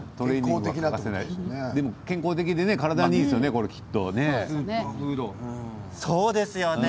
でも健康的で体にいいですよね。